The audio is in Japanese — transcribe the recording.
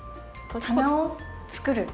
棚を作る？